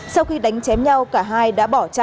sau khi đánh chém nhau cả hai đã bỏ chạy